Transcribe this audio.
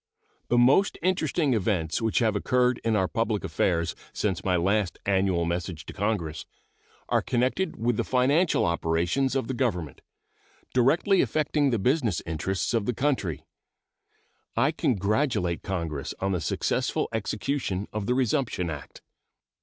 The most interesting events which have occurred in our public affairs since my last annual message to Congress are connected with the financial operations of the Government, directly affecting the business interests of the country. I congratulate Congress on the successful execution of the resumption act.